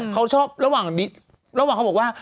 เขาชอบระหว่างเขาบอกว่า